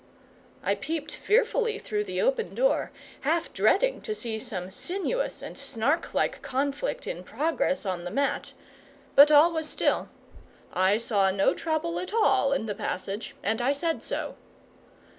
I peeped fearfully through the open door, half dreading to see some sinuous and snark like conflict in progress on the mat; but all was still. I saw no trouble at all in the passage, and I said so.